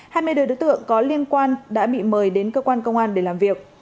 hai mươi đôi đối tượng có liên quan đã bị mời đến cơ quan công an để làm việc